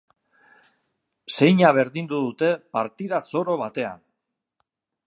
Seina berdindu dute partida zoro batean.